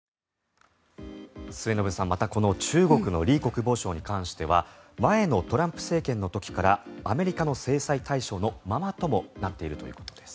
末延さん、また中国のリ国防相に関しては前のトランプ政権の時からアメリカの制裁対象のままともなっているということです。